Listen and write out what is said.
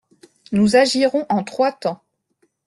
Nous agirons en trois temps.